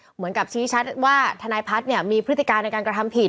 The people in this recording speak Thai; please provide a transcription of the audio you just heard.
เหมือนกับชี้ชัดว่าทนายพัฒน์มีพฤติการในการกระทำผิด